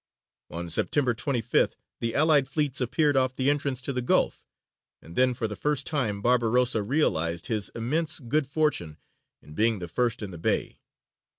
On September 25th, the allied fleets appeared off the entrance to the gulf, and then for the first time Barbarossa realized his immense good fortune in being the first in the bay.